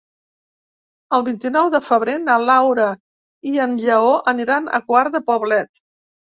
El vint-i-nou de febrer na Laura i en Lleó aniran a Quart de Poblet.